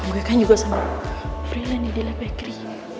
gue kan juga sama freelance di delay bakery